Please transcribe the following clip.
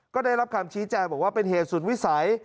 ก็ได้รับคำชี้แจงบอกว่าเป็นเหตุสุดวิสัย